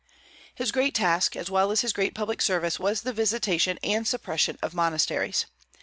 His great task, as well as his great public service, was the visitation and suppression of monasteries.